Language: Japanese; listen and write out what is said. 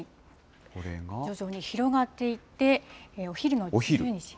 徐々に広がっていって、お昼の１２時。